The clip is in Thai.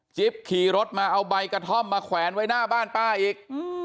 ขี่รถมาเอาใบกระท่อมมาแขวนไว้หน้าบ้านป้าอีก